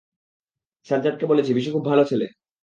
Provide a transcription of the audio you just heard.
সাজ্জাদকে বলেছি বিশু খুব ভালো ছেলে।